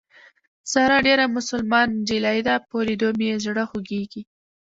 ساره ډېره مسلمان نجلۍ ده په لیدو مې یې زړه خوږېږي.